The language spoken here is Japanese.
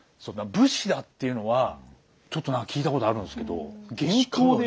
武士だっていうのはちょっとなんか聞いたことあるんですけど元寇で。